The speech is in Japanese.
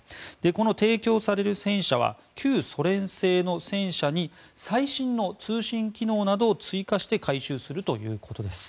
この提供される戦車は旧ソ連製の戦車に最新の通信機能などを追加して改修するということです。